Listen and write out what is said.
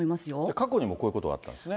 過去にもこういうことがあったんですね。